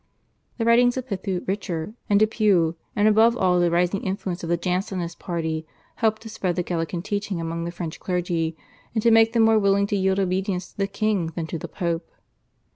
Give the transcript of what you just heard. The writings of Pithou, Richer, and Dupuy, and above all the rising influence of the Jansenist party helped to spread the Gallican teaching among the French clergy, and to make them more willing to yield obedience to the king than to the Pope.